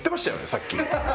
さっき。